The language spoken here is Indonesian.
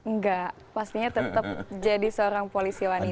enggak pastinya tetap jadi seorang polisi wanita